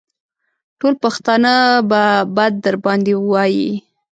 ټول پښتانه به بد در باندې وايي.